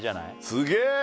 すげえ！